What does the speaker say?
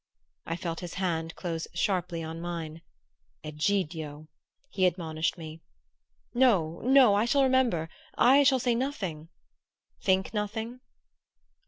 I felt his hand close sharply on mine. "Egidio!" he admonished me. "No no I shall remember. I shall say nothing " "Think nothing?"